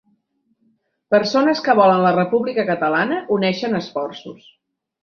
Persones que volen la República Catalana uneixen esforços.